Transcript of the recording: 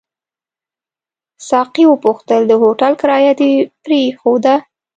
ساقي وپوښتل: د هوټل کرایه دې پرېښوده؟